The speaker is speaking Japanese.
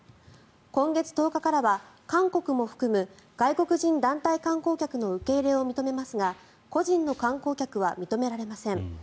今月１０日からは韓国も含む外国人団体観光客の受け入れを認めますが個人の観光客は認められません。